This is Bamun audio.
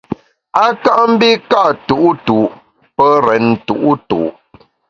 A ka mbi ka’ tu’tu’ pe rèn tu’tu’.